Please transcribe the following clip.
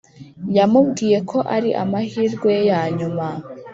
yamubwiye ko ari amahirwe ye yanyuma